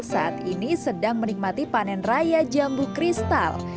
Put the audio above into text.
saat ini sedang menikmati panen raya jambu kristal